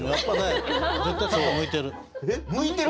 絶対短歌向いてる。